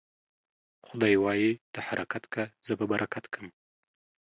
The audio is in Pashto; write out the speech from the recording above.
خداى وايي: ته حرکت که ، زه به برکت کم.